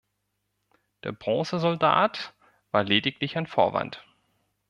Der Bronzesoldat war lediglich ein Vorwand.